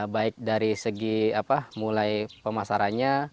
baik dari segi mulai pemasarannya